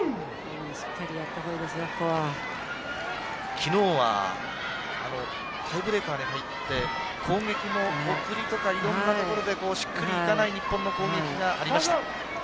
昨日はタイブレークに入って攻撃の送りとか色んなところでしっくりいかない日本の攻撃がありました。